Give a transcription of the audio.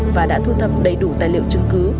và đã thu thập đầy đủ tài liệu chứng cứ